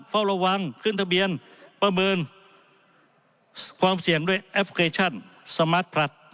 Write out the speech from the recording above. เฝ้าระวังขึ้นทะเบียนประเมินความเสี่ยงด้วยสมาร์ทผลัด